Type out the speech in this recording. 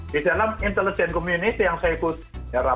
di dalam komunitas kecerdasan yang saya ikuti